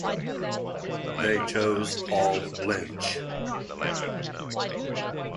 They chose Paul Lynch.